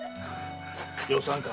よさんか。